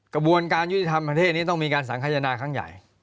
กระบวนการยุติธรรมประเทศนี้ต้องมีการสังขยนาครั้งใหญ่